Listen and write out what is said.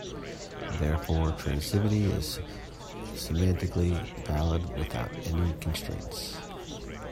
Therefore, transitivity is semantically valid without any constraints.